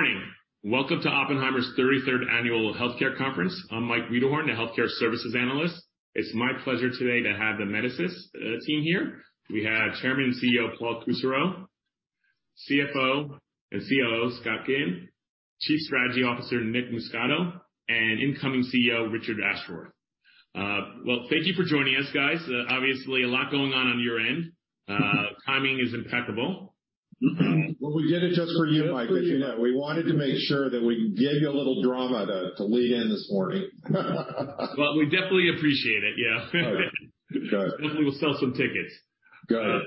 Morning. Welcome to Oppenheimer's 33rd Annual Healthcare Conference. I'm Mike Wiederhorn, a healthcare services analyst. It's my pleasure today to have the Amedisys team here. We have Chairman and CEO, Paul Kusserow, CFO and COO, Scott Ginn, Chief Strategy Officer, Nick Muscato, and incoming CEO, Richard Ashworth. Well, thank you for joining us, guys. Obviously a lot going on on your end. Timing is impeccable. Well, we did it just for you, Mike. As you know, we wanted to make sure that we gave you a little drama to lead in this morning. Well, we definitely appreciate it, yeah. Got it. Hopefully, we'll sell some tickets. Got it.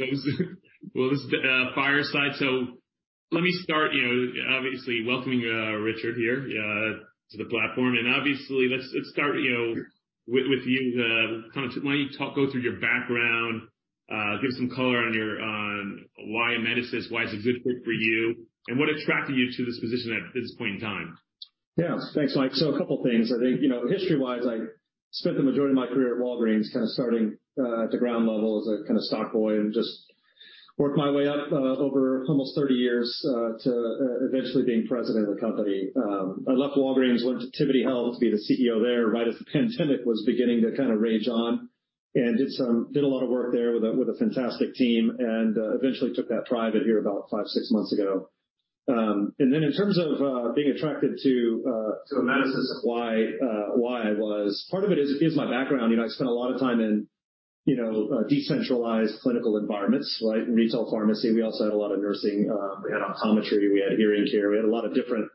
This is fireside, so let me start, you know, obviously welcoming Richard here to the platform. Obviously, let's start, you know, with you, kind of why don't you go through your background, give some color on your, on why Amedisys, why is it a good fit for you, and what attracted you to this position at this point in time? Yeah. Thanks, Mike. A couple things. I think, you know, history-wise, I spent the majority of my career at Walgreens, kind of, starting at the ground level as a, kind of, stock boy and just worked my way up over almost 30 years to eventually being president of the company. I left Walgreens, went to Tivity Health to be the CEO there, right as the pandemic was beginning to, kind of, rage on. Did a lot of work there with a, with a fantastic team and eventually took that private here about five, six months ago. In terms of being attracted to Amedisys, why why I was, part of it is my background. You know, I spent a lot of time in, you know, decentralized clinical environments like retail pharmacy. We also had a lot of nursing, we had optometry, we had hearing care. We had a lot of different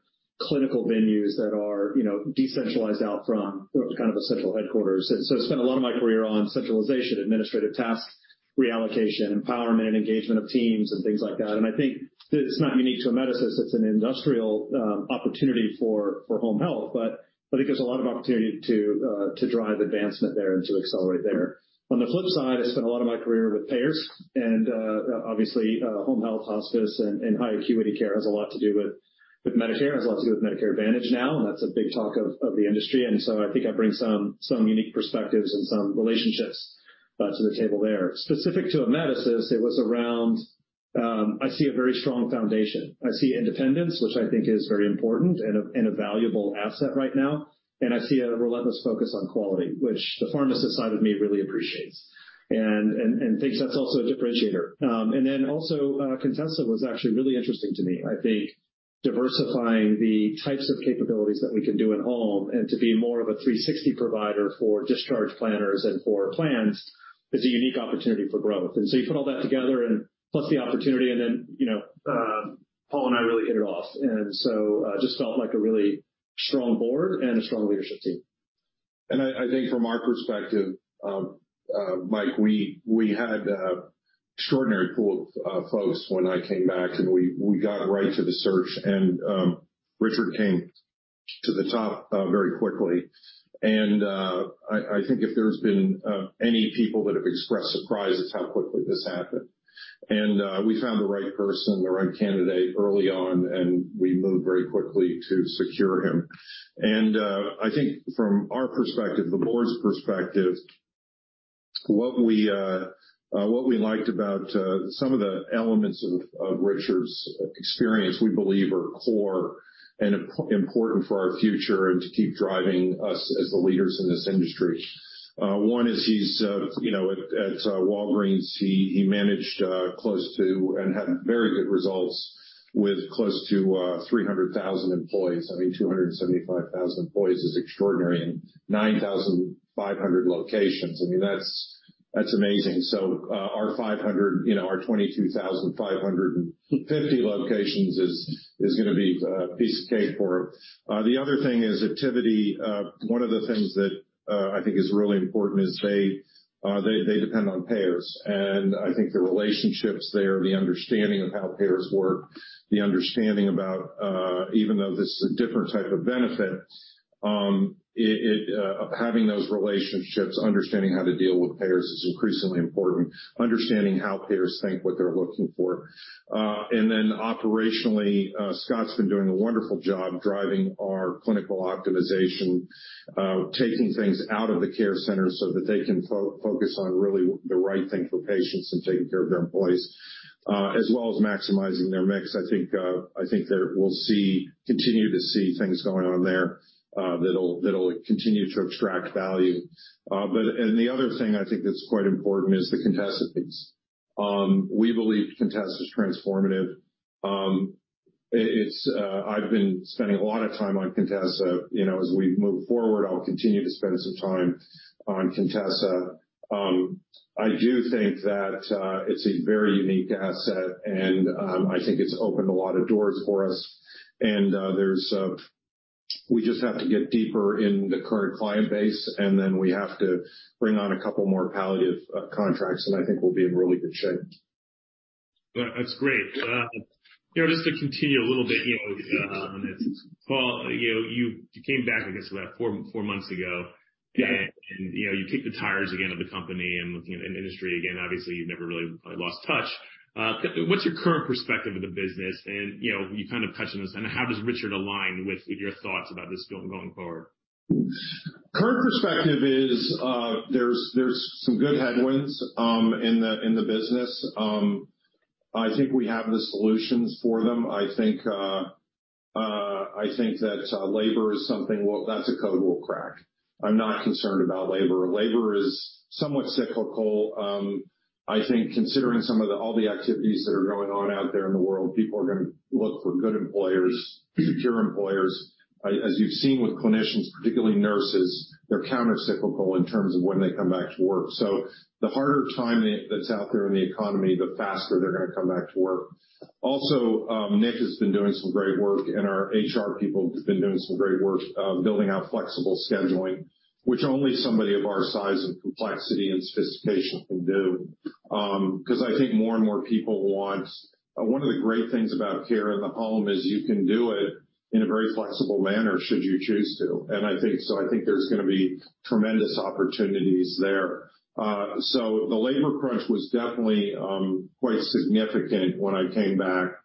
clinical venues that are, you know, decentralized out from kind of a central headquarters. So I spent a lot of my career on centralization, administrative tasks, reallocation, empowerment, engagement of teams and things like that. I think that it's not unique to Amedisys. It's an industrial opportunity for home health. I think there's a lot of opportunity to drive advancement there and to accelerate there. On the flip side, I spent a lot of my career with payers and, obviously, home health hospice and high acuity care has a lot to do with Medicare. It has a lot to do with Medicare Advantage now, and that's a big talk of the industry. I think I bring some unique perspectives and some relationships to the table there. Specific to Amedisys, it was around, I see a very strong foundation. I see independence, which I think is very important and a valuable asset right now. I see a relentless focus on quality, which the pharmacist side of me really appreciates and thinks that's also a differentiator. Also, Contessa was actually really interesting to me. I think diversifying the types of capabilities that we can do at home and to be more of a 360 provider for discharge planners and for plans is a unique opportunity for growth. You put all that together and plus the opportunity, and then, you know, Paul and I really hit it off. Just felt like a really strong board and a strong leadership team. I think from our perspective, Mike, we had a extraordinary pool of folks when I came back, and we got right to the search. Richard came to the top very quickly. I think if there's been any people that have expressed surprise, it's how quickly this happened. We found the right person, the right candidate early on, and we moved very quickly to secure him. I think from our perspective, the board's perspective, what we liked about some of the elements of Richard's experience, we believe are core and important for our future and to keep driving us as the leaders in this industry. One is he's, you know, at Walgreens, he managed close to and had very good results with close to 300,000 employees. I mean, 275,000 employees is extraordinary, and 9,500 locations. I mean, that's amazing. Our 22,550 locations is gonna be a piece of cake for him. The other thing is at Tivity, one of the things that I think is really important is they depend on payers. I think the relationships there, the understanding of how payers work, the understanding about, even though this is a different type of benefit, having those relationships, understanding how to deal with payers is increasingly important. Understanding how payers think, what they're looking for. Then operationally, Scott's been doing a wonderful job driving our clinical optimization, taking things out of the care center so that they can focus on really the right thing for patients and taking care of their employees, as well as maximizing their mix. I think, I think that we'll continue to see things going on there, that'll continue to extract value. The other thing I think that's quite important is the Contessa piece. We believe Contessa is transformative. It, it's, I've been spending a lot of time on Contessa. You know, as we move forward, I'll continue to spend some time on Contessa. I do think that, it's a very unique asset and, I think it's opened a lot of doors for us. There's, we just have to get deeper in the current client base, and then we have to bring on a couple more palliative contracts, and I think we'll be in really good shape. That's great. you know, just to continue a little bit, you know, Paul, you know, you came back, I guess, about four months ago. Yeah. You know, you kicked the tires again of the company and looking at an industry again. Obviously, you never really probably lost touch. What's your current perspective of the business? You know, you kind of touched on this, and how does Richard align with your thoughts about this going forward? Current perspective is, there's some good headwinds in the business. I think we have the solutions for them. I think that labor is something. That's a code we'll crack. I'm not concerned about labor. Labor is somewhat cyclical. I think considering all the activities that are going on out there in the world, people are gonna look for good employers, secure employers. As you've seen with clinicians, particularly nurses, they're countercyclical in terms of when they come back to work. The harder time that's out there in the economy, the faster they're gonna come back to work. Also, Nick has been doing some great work, and our HR people have been doing some great work, building out flexible scheduling, which only somebody of our size and complexity and sophistication can do. 'Cause I think more and more people want. One of the great things about care in the home is you can do it in a very flexible manner should you choose to. I think there's gonna be tremendous opportunities there. The labor crunch was definitely quite significant when I came back.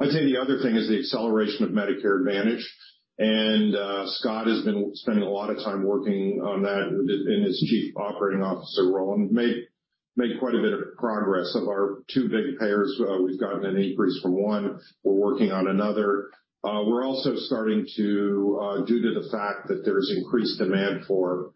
I'd say the other thing is the acceleration of Medicare Advantage. Scott has been spending a lot of time working on that in his chief operating officer role and made quite a bit of progress. Of our two big payers, we've gotten an increase from one. We're working on another. We're also starting to, due to the fact that there's increased demand for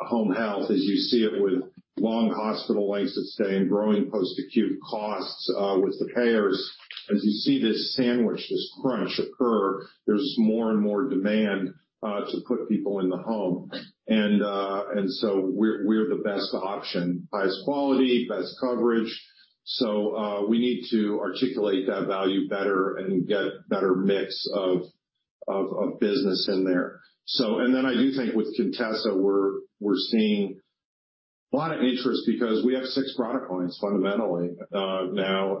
home health, as you see it with long hospital lengths of stay and growing post-acute costs with the payers. As you see this sandwich, this crunch occur, there's more and more demand to put people in the home. We're the best option, highest quality, best coverage. We need to articulate that value better and get better mix of, of business in there. I do think with Contessa, we're seeing a lot of interest because we have six product lines fundamentally now.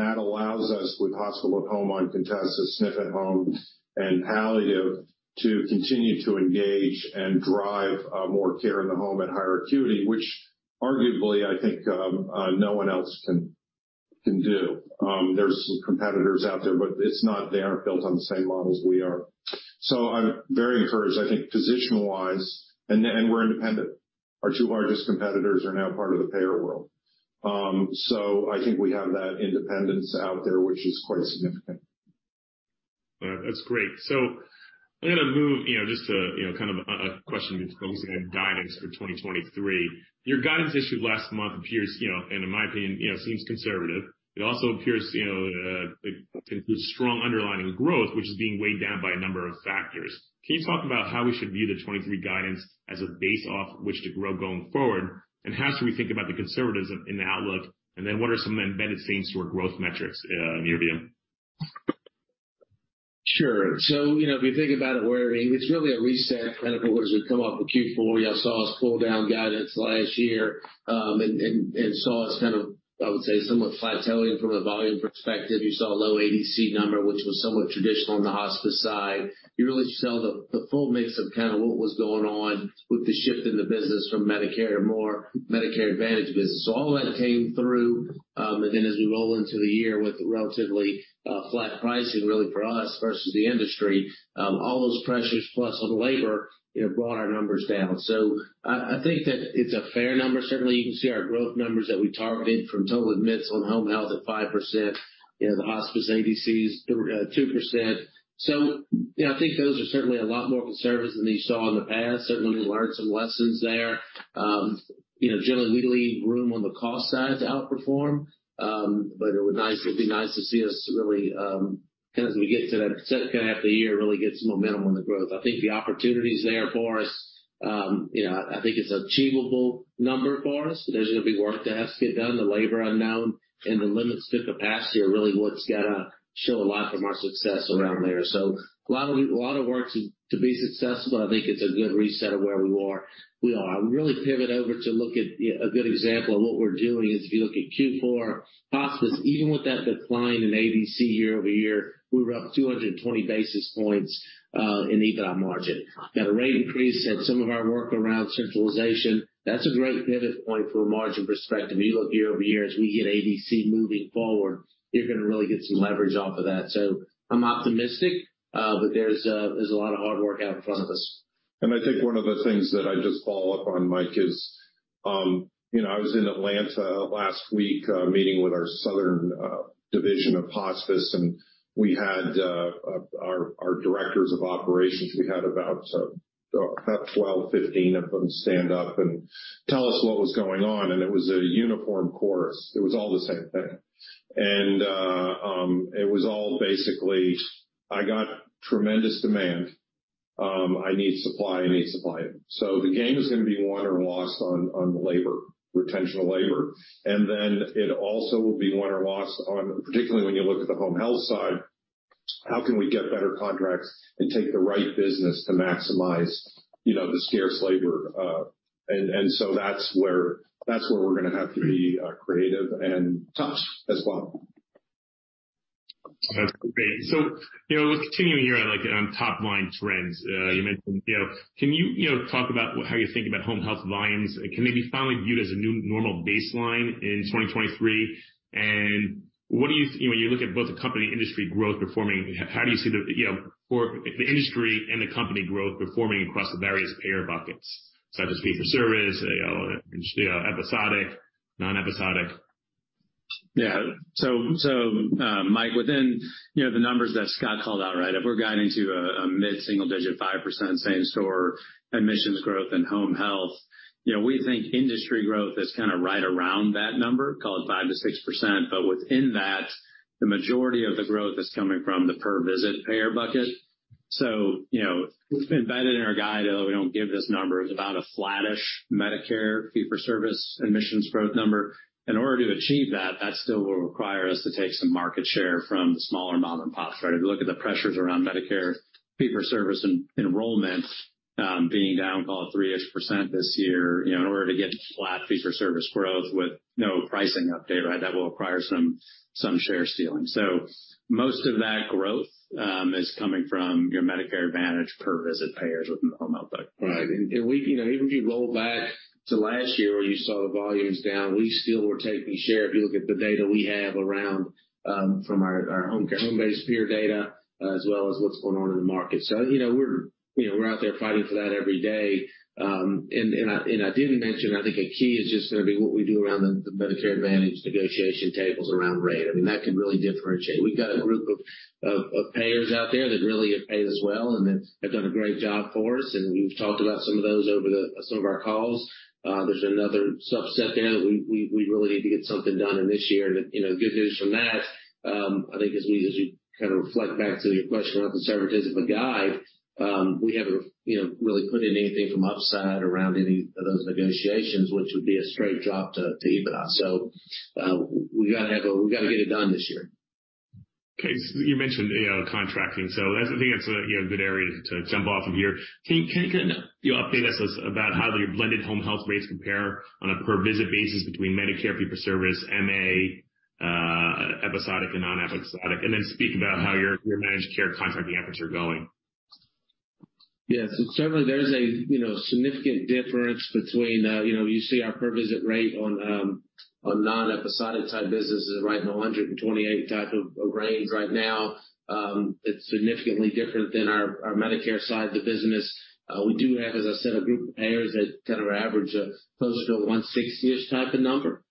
That allows us with Hospital at Home on Contessa, SNF-at-Home and palliative to continue to engage and drive more care in the home at higher acuity, which arguably I think no one else can do. There's some competitors out there, but they aren't built on the same model as we are. I'm very encouraged, I think, position-wise, and we're independent. Our two largest competitors are now part of the payer world. I think we have that independence out there, which is quite significant. All right. That's great. I'm gonna move, you know, just to, you know, kind of a question focusing on guidance for 2023. Your guidance issued last month appears, you know, and in my opinion, you know, seems conservative. It also appears, you know, like, to include strong underlying growth, which is being weighed down by a number of factors. Can you talk about how we should view the 2023 guidance as a base off which to grow going forward? How should we think about the conservatism in the outlook? What are some embedded themes to our growth metrics in your view? Sure. You know, if you think about it's really a reset, kind of, as we come off of Q4. You all saw us pull down guidance last year, and saw us kind of, I would say, somewhat flattening from a volume perspective. You saw a low ADC number, which was somewhat traditional on the hospice side. You really saw the full mix of kind of what was going on with the shift in the business from Medicare to more Medicare Advantage business. All of that came through, as we roll into the year with relatively flat pricing really for us versus the industry, all those pressures, plus on labor, it brought our numbers down. I think that it's a fair number. Certainly, you can see our growth numbers that we targeted from total admits on home health at 5%, you know, the hospice ADCs, 2%. I think those are certainly a lot more conservative than you saw in the past. Certainly, we learned some lessons there. Generally we leave room on the cost side to outperform, but it'd be nice to see us really, kind of, as we get to that second half of the year, really get some momentum on the growth. I think the opportunity is there for us. I think it's an achievable number for us. There's gonna be work that has to get done, the labor unknown, and the limits to capacity are really what's gotta show a lot from our success around there. A lot of work to be successful, but I think it's a good reset of where we are. I really pivot over to look at, you know, a good example of what we're doing is if you look at Q4 hospice, even with that decline in ADC year-over-year, we were up 220 basis points in EBITDA margin. The rate increase and some of our work around centralization, that's a great pivot point from a margin perspective. Look year-over-year as we get ADC moving forward, you're gonna really get some leverage off of that. I'm optimistic, but there's a lot of hard work out in front of us. I think one of the things that I just follow up on, Mike, is, you know, I was in Atlanta last week, meeting with our southern division of hospice, and we had our directors of operations. We had about 12, 15 of them stand up and tell us what was going on. It was a uniform chorus. It was all the same thing. It was all basically, "I got tremendous demand. I need supply. I need supply." The game is gonna be won or lost on labor, retention of labor. It also will be won or lost on, particularly when you look at the home health side, how can we get better contracts and take the right business to maximize, you know, the scarce labor? That's where we're gonna have to be creative and tough as well. That's great. You know, continuing here on, like, on top line trends, you mentioned. You know, can you know, talk about how you think about home health volumes? Can they be finally viewed as a new normal baseline in 2023? When you look at both the company industry growth performing, how do you see the, you know, for the industry and the company growth performing across the various payer buckets, such as fee-for-service, you know, episodic, non-episodic? Yeah. so, Mike, within, you know, the numbers that Scott called out, right? If we're guiding to a mid-single digit, 5% same store admissions growth in home health, you know, we think industry growth is kind of right around that number, call it 5%-6%. Within that, the majority of the growth is coming from the per visit payer bucket. You know, it's embedded in our guide, although we don't give this number, it's about a flattish Medicare fee-for-service admissions growth number. In order to achieve that still will require us to take some market share from the smaller mom-and-pops. If you look at the pressures around Medicare fee-for-service enrollment, being down call it 3% this year, you know, in order to get flat fee-for-service growth with no pricing update, right? That will require some share stealing. Most of that growth is coming from your Medicare Advantage per visit payers with home health. Right. We, you know, even if you roll back to last year where you saw the volumes down, we still were taking share. You look at the data we have around, from our Homecare Homebase peer data as well as what's going on in the market. You know, we're, you know, we're out there fighting for that every day. I, and I didn't mention, I think a key is just gonna be what we do around the Medicare Advantage negotiation tables around rate. I mean, that can really differentiate. We've got a group of payers out there that really have paid us well, and they've done a great job for us, and we've talked about some of those some of our calls. There's another subset there that we really need to get something done in this year. You know, good news from that, I think as we, as we kind of reflect back to your question about the conservativism of guide, we haven't, you know, really put in anything from upside around any of those negotiations, which would be a straight drop to EBITDA. We gotta get it done this year. Okay. You mentioned, you know, contracting. I think that's a, you know, good area to jump off of here. Can you kinda, you know, update us as about how your blended home health rates compare on a per visit basis between Medicare fee-for-service, MA, episodic and non-episodic? Then speak about how your managed care contracting efforts are going. Yeah. Certainly there is a, you know, significant difference between, you know, you see our per visit rate on non-episodic type business is right in the $128 type of range right now. It's significantly different than our Medicare side of the business. We do have, as I said, a group of payers that kind of average close to $160-ish type of number.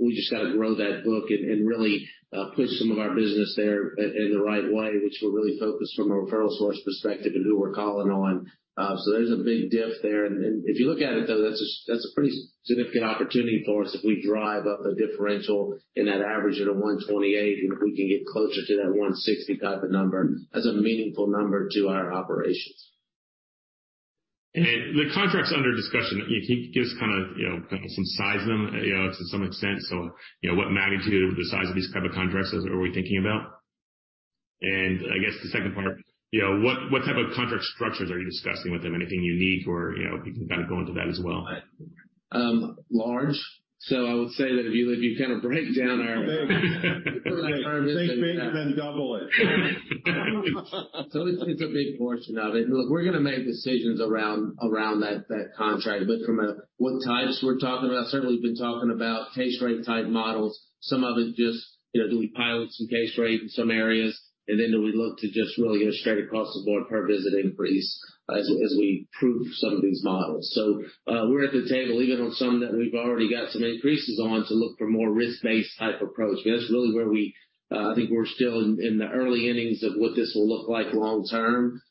We just got to grow that book and really put some of our business there in the right way, which we're really focused from a referral source perspective and who we're calling on. There's a big diff there. If you look at it, though, that's a pretty significant opportunity for us if we drive up the differential in that average at a $128, and if we can get closer to that $160 type of number. That's a meaningful number to our operations. The contracts under discussion, can you give us kinda, you know, some size of them, you know, to some extent? What magnitude of the size of these type of contracts are we thinking about? I guess the second part, you know, what type of contract structures are you discussing with them? Anything unique or, you know, if you can kinda go into that as well? Large. I would say that if you kind of break down our. Think bigger, then double it. It's a big portion of it. Look, we're gonna make decisions around that contract. From a what types we're talking about, certainly we've been talking about case rate type models. Some of it just, you know, do we pilot some case rate in some areas, and then do we look to just really get a straight across the board per visit increase as we prove some of these models. We're at the table even on some that we've already got some increases on to look for more risk-based type approach. That's really where we, I think we're still in the early innings of what this will look like long term.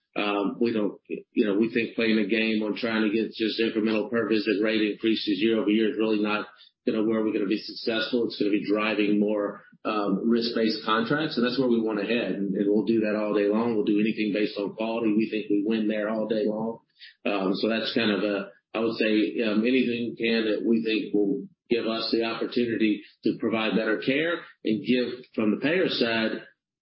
We don't, you know, we think playing a game or trying to get just incremental per visit rate increases year-over-year is really not, you know, where we're gonna be successful. It's gonna be driving more risk-based contracts, that's where we wanna head, we'll do that all day long. We'll do anything based on quality. We think we win there all day long. That's, I would say, anything we can that we think will give us the opportunity to provide better care and give, from the payer side,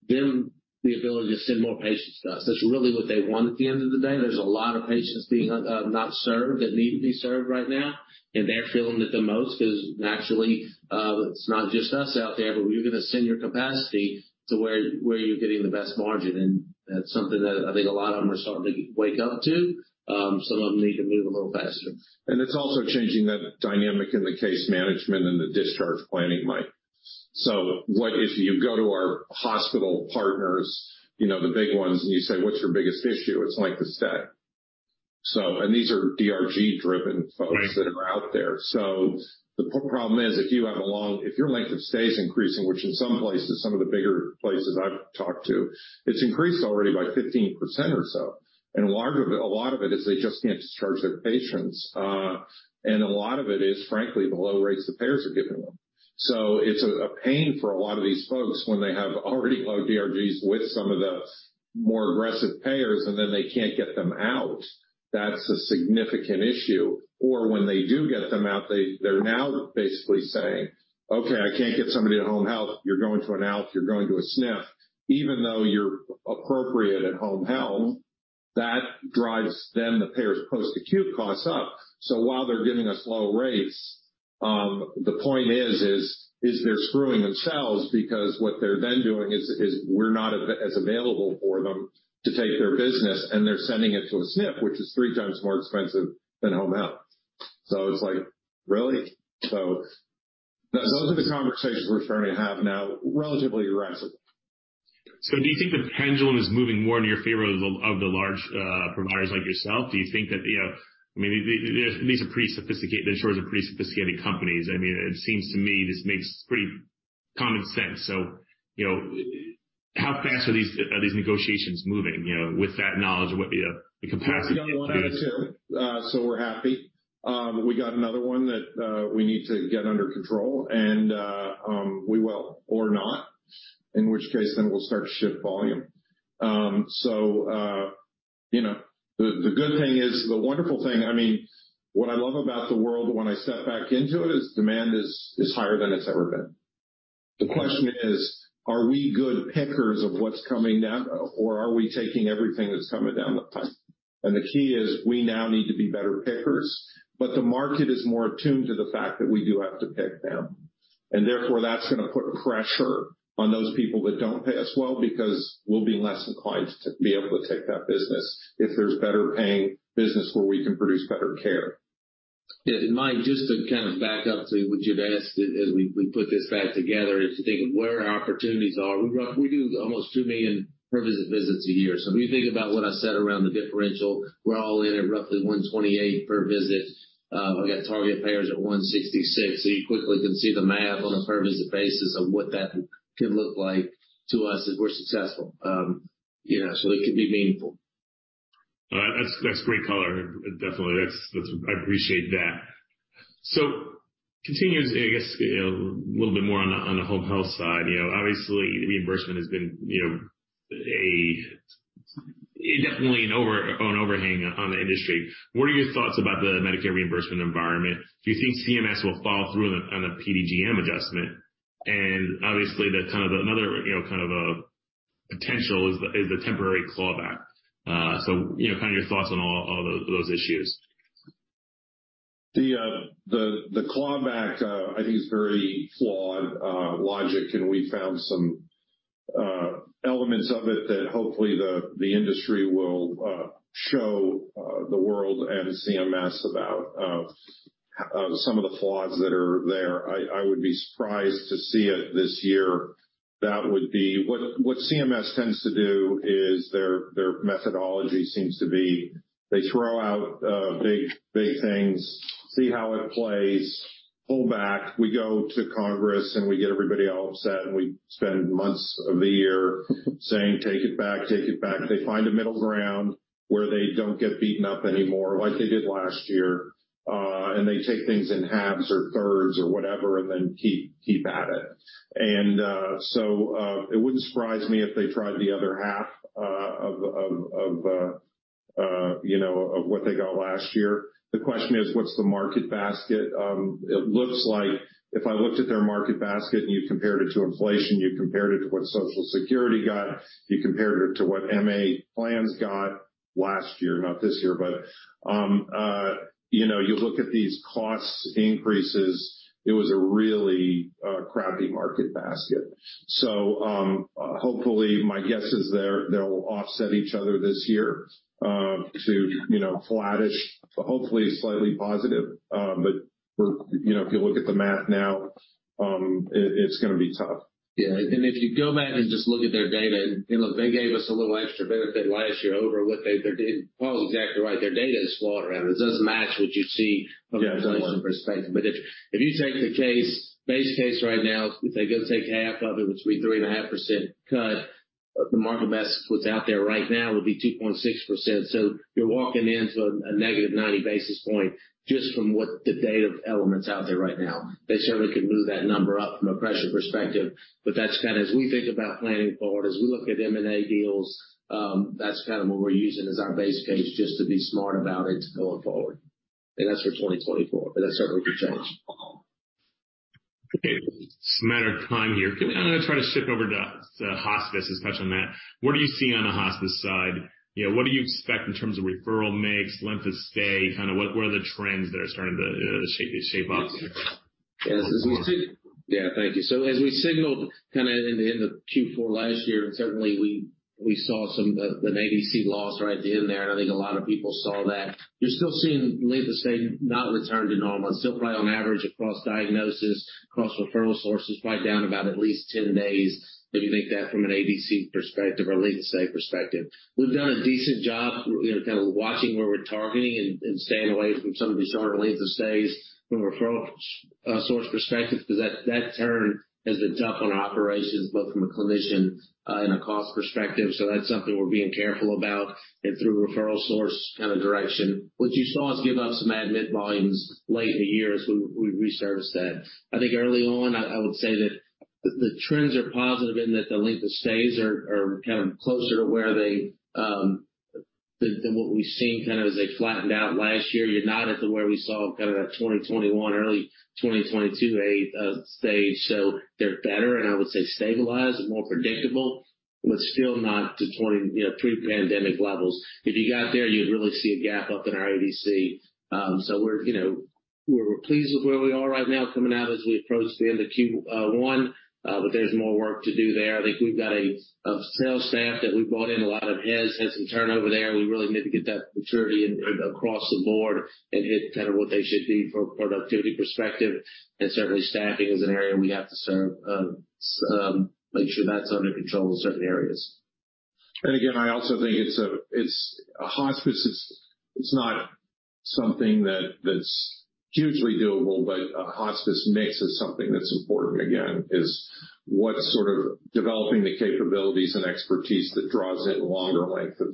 them the ability to send more patients to us. That's really what they want at the end of the day. There's a lot of patients being not served that need to be served right now, and they're feeling it the most because naturally, it's not just us out there, but you're gonna send your capacity to where you're getting the best margin. That's something that I think a lot of them are starting to wake up to. Some of them need to move a little faster. It's also changing the dynamic in the case management and the discharge planning, Mike. What if you go to our hospital partners, you know, the big ones, and you say, "What's your biggest issue?" It's length of stay. These are DRG driven folks that are out there. The problem is, if your length of stay is increasing, which in some places, some of the bigger places I've talked to, it's increased already by 15% or so, a lot of it is they just can't discharge their patients. A lot of it is frankly, the low rates the payers are giving them. It's a pain for a lot of these folks when they have already low DRGs with some of the more aggressive payers and then they can't get them out. That's a significant issue. When they do get them out, they're now basically saying, "Okay, I can't get somebody to home health. You're going to a ALF, you're going to a SNF, even though you're appropriate at home health." That drives then the payer's post-acute costs up. While they're giving us low rates, the point is they're screwing themselves because what they're then doing is we're not as available for them to take their business, and they're sending it to a SNF, which is three times more expensive than home health. It's like, really? Those are the conversations we're starting to have now, relatively aggressive. Do you think the pendulum is moving more in your favor of the, of the large providers like yourself? Do you think that, you know, I mean, the insurers are pretty sophisticated companies. I mean, it seems to me this makes pretty common sense. You know, how fast are these negotiations moving, you know, with that knowledge of what the capacity? We're happy. We got another one that we need to get under control and we will or not, in which case then we'll start to shift volume. You know, the good thing is the wonderful thing, I mean, what I love about the world when I step back into it is demand is higher than it's ever been. The question is, are we good pickers of what's coming down or are we taking everything that's coming down the pipe? The key is we now need to be better pickers, but the market is more attuned to the fact that we do have to pick now. Therefore, that's gonna put pressure on those people that don't pay us well, because we'll be less inclined to be able to take that business if there's better paying business where we can produce better care. Mike, just to kind of back up to what you've asked as we put this back together is to think of where our opportunities are. We do almost two million per visit visits a year. If you think about what I said around the differential, we're all in at roughly $128 per visit. We've got target payers at $166. You quickly can see the math on a per visit basis of what that could look like to us if we're successful. you know, it could be meaningful. That's great color. Definitely. That's, I appreciate that. Continuing, I guess, you know, a little bit more on the home health side, you know, obviously reimbursement has been, you know, definitely an overhang on the industry. What are your thoughts about the Medicare reimbursement environment? Do you think CMS will follow through on the PDGM adjustment? Obviously that's kind of another, you know, kind of a potential is the temporary clawback. You know, kind of your thoughts on all those issues. The clawback, I think is very flawed logic, and we found some elements of it that hopefully the industry will show the world and CMS about some of the flaws that are there. I would be surprised to see it this year. What CMS tends to do is their methodology seems to be they throw out big things, see how it plays, pull back. We go to Congress, and we get everybody all upset, and we spend months of the year saying, "Take it back, take it back." They find a middle ground where they don't get beaten up anymore like they did last year, and they take things in halves or thirds or whatever and then keep at it. It wouldn't surprise me if they tried the other half of what they got last year. The question is, what's the market basket? It looks like if I looked at their market basket and you compared it to inflation, you compared it to what Social Security got, you compared it to what MA plans got last year, not this year, but you look at these cost increases, it was a really crappy market basket. Hopefully, my guess is they'll offset each other this year to flattish, hopefully slightly positive. If you look at the math now, it's gonna be tough. Yeah. If you go back and just look at their data, you know, they gave us a little extra benefit last year over Paul's exactly right. Their data is all around. It doesn't match what you see from a price perspective. If you take the base case right now, if they go take half of it, which would be 3.5% cut, the market basket that's out there right now would be 2.6%. You're walking into a negative 90 basis point just from what the data element's out there right now. They certainly can move that number up from a pressure perspective, but that's kind of as we think about planning forward, as we look at M&A deals, that's kind of what we're using as our base case just to be smart about it going forward. That's for 2024, but that certainly could change. It's a matter of time here. I'm gonna try to shift over to hospice and touch on that. What are you seeing on the hospice side? You know, what do you expect in terms of referral mix, length of stay? Kinda what are the trends there starting to, you know, to shape up going forward? Yeah. Thank you. As we signaled kinda in the end of Q4 last year, and certainly we saw some the ADC loss right at the end there, and I think a lot of people saw that. You're still seeing length of stay not return to normal. It's still probably on average across diagnosis, across referral sources, probably down about at least 10 days if you make that from an ADC perspective or length of stay perspective. We've done a decent job, you know, kind of watching where we're targeting and staying away from some of these shorter lengths of stays from a referral source perspective, 'cause that turn has been tough on operations, both from a clinician and a cost perspective. That's something we're being careful about and through referral source kind of direction. What you saw us give up some admit volumes late in the year as we serviced that. I think early on I would say that the trends are positive in that the length of stays are kind of closer to where they than what we've seen kind of as they flattened out last year. You're not at the where we saw kind of that 2021, early 2022 rate of stay. They're better, and I would say stabilized and more predictable, but still not to 2020, you know, pre-pandemic levels. If you got there, you'd really see a gap up in our ADC. We're, you know, we're pleased with where we are right now coming out as we approach the end of Q1. There's more work to do there. I think we've got a sales staff that we brought in a lot of heads, had some turnover there. Significant depth and maturity and across the board and hit kind of what they should be from a productivity perspective. Certainly, staffing is an area we have to serve, make sure that's under control in certain areas. Again, I also think it's a hospice is not something that's hugely doable, but a hospice mix is something that's important. Again, is what sort of developing the capabilities and expertise that draws in longer length of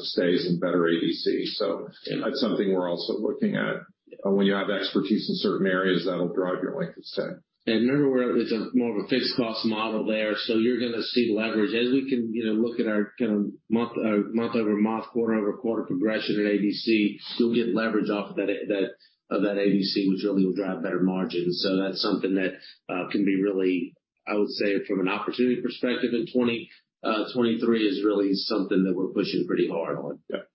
stays and better ADC. That's something we're also looking at. When you have expertise in certain areas, that'll drive your length of stay. Remember, it's a more of a fixed cost model there, so you're going to see leverage. As we can, you know, look at our kind of month-over-month, quarter-over-quarter progression at ADC, still get leverage off of that ADC, which really will drive better margins. That's something that can be really, I would say, from an opportunity perspective in 2023 is really something that we're pushing pretty hard on. Yeah.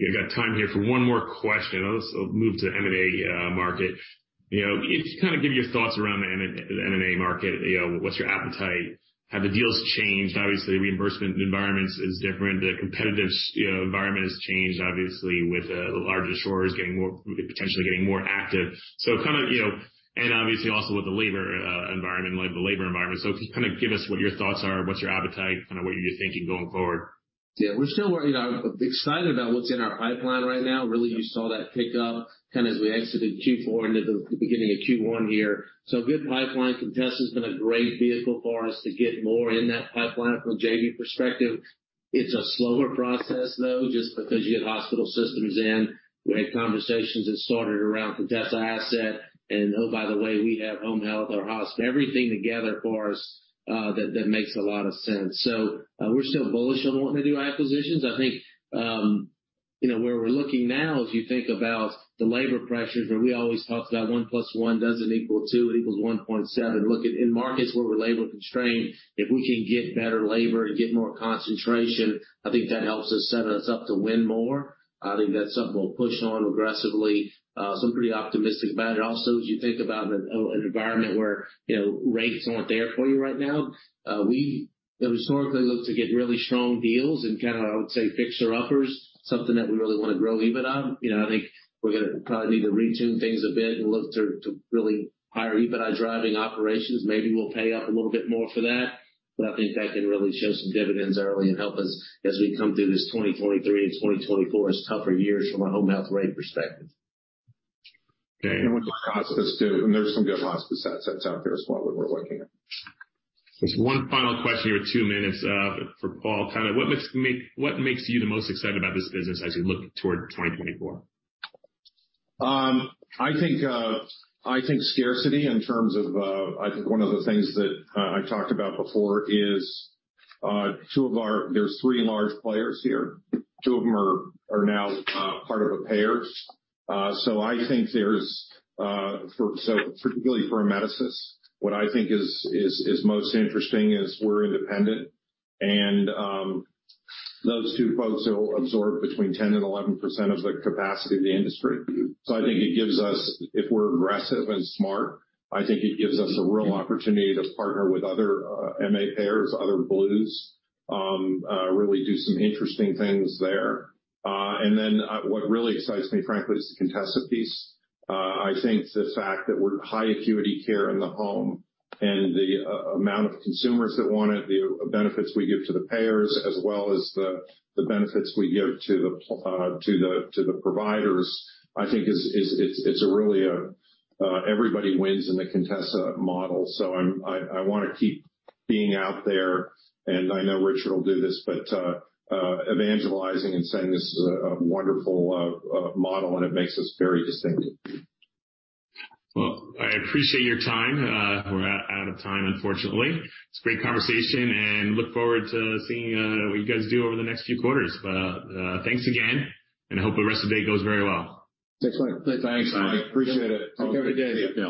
We've got time here for one more question. I'll just move to M&A market. You know, if you kind of give your thoughts around the M&A market, you know, What's your appetite? Have the deals changed? Obviously, reimbursement environments is different. The competitive you know, environment has changed, obviously, with larger shores getting potentially getting more active. kind of, you know, and obviously also with the labor environment, like the labor environment. if you kinda give us what your thoughts are, what's your appetite, kinda what you're thinking going forward. Yeah. We're still excited about what's in our pipeline right now. Really, you saw that pick up kind of as we exited Q4 into the beginning of Q1 here. Good pipeline. Contessa has been a great vehicle for us to get more in that pipeline from a JV perspective. It's a slower process, though, just because you get hospital systems in. We had conversations that started around Contessa asset and oh, by the way, we have home health or hospice. Everything together for us, that makes a lot of sense. We're still bullish on wanting to do acquisitions. I think, you know, where we're looking now, as you think about the labor pressures, where we always talk about 1+1 doesn't equal two, it equals 1.7. Look at in markets where we're labor constrained, if we can get better labor and get more concentration, I think that helps us set us up to win more. I think that's something we'll push on aggressively. I'm pretty optimistic about it. Also, as you think about an environment where, you know, rates aren't there for you right now, we historically look to get really strong deals and kinda, I would say, fixer uppers, something that we really wanna grow EBIT on. You know, I think we're gonna probably need to retune things a bit and look to really higher EBIT on driving operations. Maybe we'll pay up a little bit more for that, but I think that can really show some dividends early and help us as we come through this 2023 and 2024 as tougher years from a home health rate perspective. With the hospice too, and there's some good hospice assets out there as well that we're working on. Just one final question here, two minutes, for Paul. Kinda what makes you the most excited about this business as you look toward 2024? I think scarcity in terms of, I think one of the things that I've talked about before is two of our-- there's three large players here. Two of them are now part of a payer. I think there's, for, particularly for Amedisys, what I think is most interesting is we're independent, and those two folks will absorb between 10% and 11% of the capacity of the industry. I think it gives us, if we're aggressive and smart, I think it gives us a real opportunity to partner with other MA payers, other blues, really do some interesting things there. What really excites me, frankly, is the Contessa piece. I think the fact that we're high acuity care in the home and the amount of consumers that want it, the benefits we give to the payers as well as the benefits we give to the providers, I think is it's a really everybody wins in the Contessa model. I wanna keep being out there, and I know Richard will do this, but evangelizing and saying this is a wonderful model, and it makes us very distinctive. Well, I appreciate your time. We're out of time, unfortunately. It's a great conversation. Look forward to seeing, what you guys do over the next few quarters. Thanks again, and I hope the rest of the day goes very well. Thanks a lot. Thanks, Mike. Appreciate it. Take care. See ya.